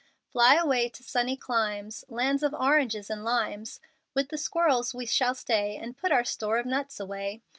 Fly away to sunny climes, Lands of oranges and limes; With the squirrels we shall stay And put our store of nuts away.